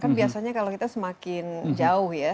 kan biasanya kalau kita semakin jauh ya